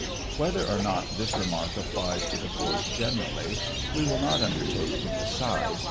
Whether or not this remark applies to the force generally, we will not undertake to decide.